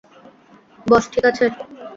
বস, ঠিক আছে?